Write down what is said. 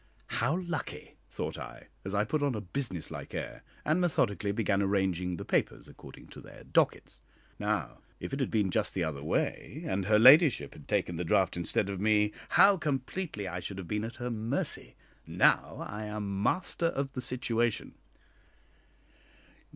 "How lucky," thought I, as I put on a business like air, and methodically began arranging the papers according to their docquets. "Now, if it had been just the other way, and her ladyship had taken the draught instead of me, how completely I should have been at her mercy? Now I am master of the situation."